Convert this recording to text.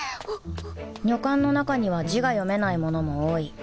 女官の中には字が読めない者も多い